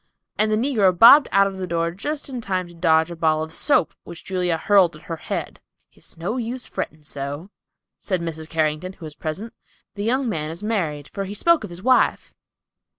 And the negro bobbed out of the door just in time to dodge a ball of soap which Julia hurled at her head. "It's no use fretting so," said Mrs. Carrington, who was present. "The young man is married, for he spoke of his wife."